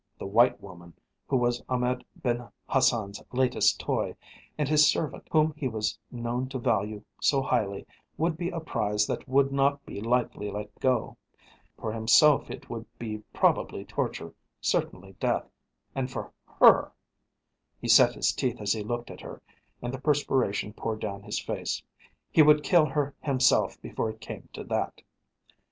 The white woman, who was Ahmed Ben Hassan's latest toy, and his servant, whom he was known to value so highly, would be a prize that would not be lightly let go. For himself it would be probably torture, certainly death, and for her ! He set his teeth as he looked at her and the perspiration poured down his face. He would kill her himself before it came to that.